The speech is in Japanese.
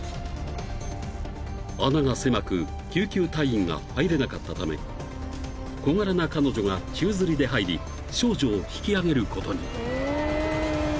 ［穴が狭く救急隊員が入れなかったため小柄な彼女が宙づりで入り少女を引き上げることに］